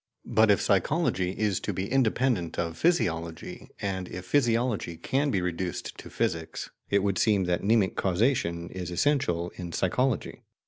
But if psychology is to be independent of physiology, and if physiology can be reduced to physics, it would seem that mnemic causation is essential in psychology.